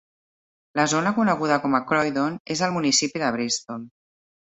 La zona coneguda com a Croydon és al municipi de Bristol.